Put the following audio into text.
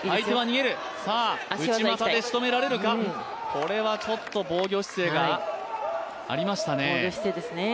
これは防御姿勢がありましたね。